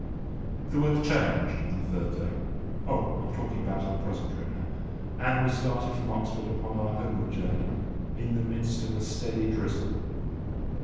The weather changed on the third day,—Oh! I am talking about our present trip now,—and we started from Oxford upon our homeward journey in the midst of a steady drizzle.